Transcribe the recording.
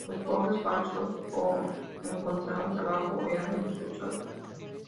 Los pobres falsos o encontraban trabajo o eran expulsados.